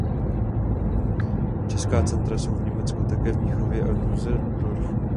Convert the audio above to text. Česká centra jsou v Německu také v Mnichově a Düsseldorfu.